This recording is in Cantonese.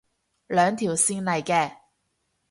兩條線嚟嘅